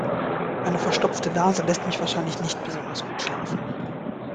Meine verstopfte Nase lässt mich wahrscheinlich nicht besonders gut schlafen.